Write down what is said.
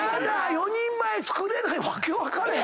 ４人前作れない」訳分かれへん。